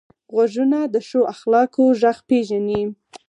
غوږونه د ښو اخلاقو غږ پېژني